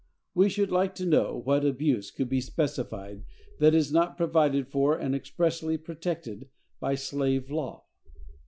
We should like to know what abuse could be specified that is not provided for and expressly protected by slave law.